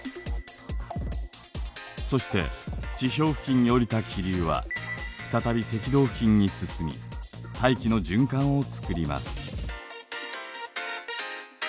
そして地表付近に降りた気流は再び赤道付近に進み大気の循環を作ります。